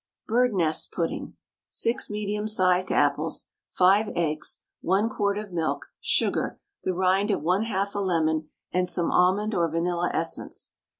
BIRD NEST PUDDING. 6 medium sized apples, 5 eggs, 1 quart of milk, sugar, the rind of 1/2 a lemon and some almond or vanilla essence.